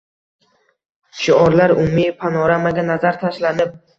shiorlar umumiy panoramaga nazar tashlanib